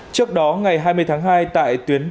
trước đó ngày hai mươi tháng hai tại tuyến đường ninh bình